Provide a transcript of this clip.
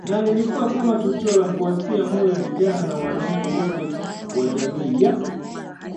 Na lilikuwa kama tukio la kuwatia moyo vijana na wananchi wote wa jamii ya